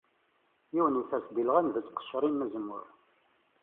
Yiwen yesres-d ilɣan d tqecrin n uzemmur.